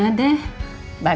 ga tau ma belum dimakan